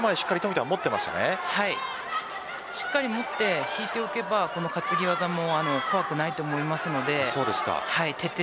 しっかり持って引いておけばこの担ぎ技も怖くないと思います。